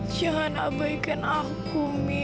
jangan abaikan aku mi